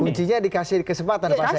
kuncinya dikasih kesempatan pak sai